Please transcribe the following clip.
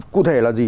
cụ thể là gì